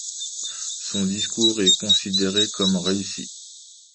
Son discours est considéré comme réussi.